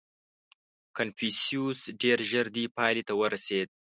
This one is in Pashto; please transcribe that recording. • کنفوسیوس ډېر ژر دې پایلې ته ورسېد.